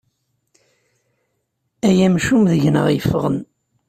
Ay amcum deg-neɣ yeffɣen.